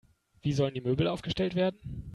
Wie sollen die Möbel aufgestellt werden?